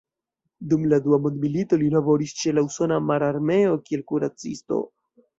Dum la dua mondmilito, li laboris ĉe la usona mararmeo kiel kuracisto.